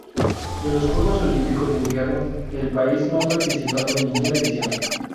En los Juegos Olímpicos de Invierno el país no ha participado en ninguna edición.